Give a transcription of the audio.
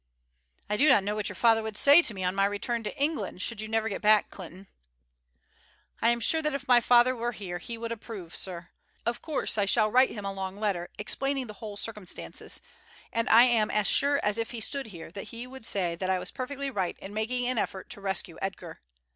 "I do not know what your father would say to me on my return to England should you never get back, Clinton." "I am sure that if my father were here he would approve, sir. Of course I shall write him a long letter explaining the whole circumstances, and I am as sure as if he stood here that he would say that I was perfectly right in making an effort to rescue Edgar.